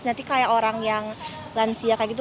nanti kayak orang yang lansia kayak gitu